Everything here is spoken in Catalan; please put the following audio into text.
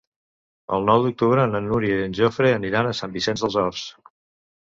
El nou d'octubre na Núria i en Jofre aniran a Sant Vicenç dels Horts.